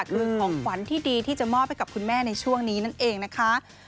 คือของขวัญที่ดีที่จะมอบให้กับคุณแม่ในช่วงนี้นั่นเองนะคะ